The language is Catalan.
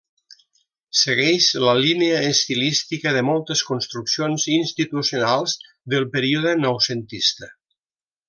Segueix la línia estilística de moltes construccions institucionals del període noucentista.